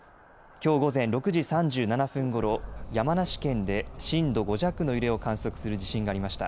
きょう午前６時３７分ごろ、山梨県で震度５弱の揺れを観測する地震がありました。